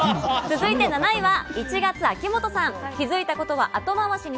続いて、７位は１月、秋元さん。